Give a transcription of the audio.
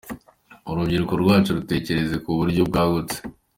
Urubyiruko rwacu rutekereze ku buryo bwagutse”.